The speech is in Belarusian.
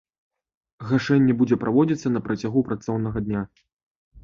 Гашэнне будзе праводзіцца на працягу працоўнага дня.